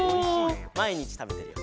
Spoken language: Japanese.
まいにちたべてるよ。